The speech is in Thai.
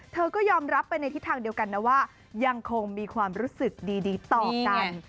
เธอก็ยอมรับไปในทิศทางเดียวกันนะว่ายังคงมีความรู้สึกดีต่อกัน